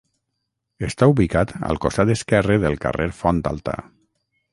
Està ubicat al costat esquerre del carrer Font Alta.